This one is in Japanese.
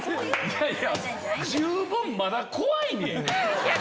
十分まだ怖いねや。